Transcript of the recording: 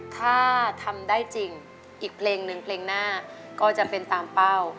ถ้าทำได้จริงอีกเพลงหนึ่งเพลงหน้าก็จะเป็นตามเป้า